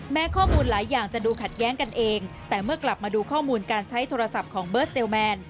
ข้อมูลหลายอย่างจะดูขัดแย้งกันเองแต่เมื่อกลับมาดูข้อมูลการใช้โทรศัพท์ของเบิร์ตเตลแมน